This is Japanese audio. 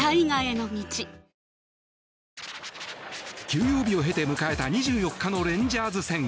休養日を経て迎えた２４日のレンジャーズ戦。